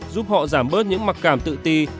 giúp họ giảm bớt những mặc cảm tự ti